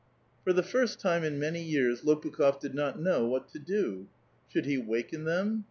For the first time in many years Lopukh6f did not know what to do. "Should he waken them?